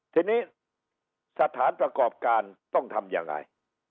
ทีนี้สถานประกอบการต้องทำยังไง